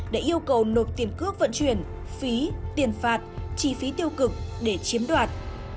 để yêu cầu nộp tiền cước vận chuyển phí tiền phạt chi phí tiêu cực để chiếm đoạt